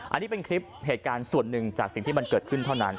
อันนี้เป็นคลิปเหตุการณ์ส่วนหนึ่งจากสิ่งที่มันเกิดขึ้นเท่านั้น